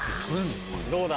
どうだ？